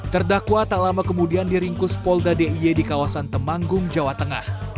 terdakwa tak lama kemudian diringkus polda d i e di kawasan temanggung jawa tengah